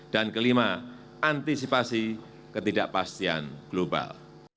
dan kelima antisipasi ketidakpastian global